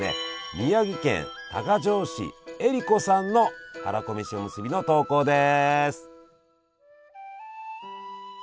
宮城県多賀城市えりこさんのはらこめしおむすびの投稿です。